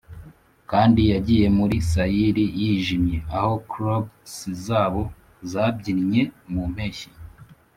kandi yagiye muri sayiri yijimye aho clogs zabo zabyinnye mu mpeshyi,